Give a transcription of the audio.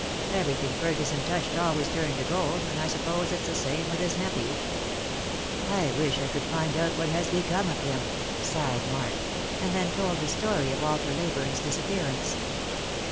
Everything Ferguson touched always turned to gold, and I suppose it's the same with his nephew." " I wish I could find out what has become of him," sighed Mark ; and then told the story of Walter Leyburne's disappear ance.